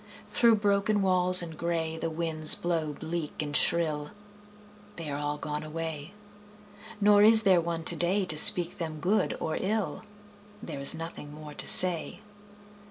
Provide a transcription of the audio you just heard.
Through broken walls and gray The winds blow bleak and shrill: They are all gone away. Nor is there one today To speak them good or ill: There is nothing more to say.